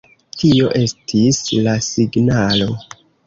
Tio estis la signalo.